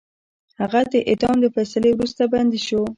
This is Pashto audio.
هغه د اعدام د فیصلې وروسته بندي شو.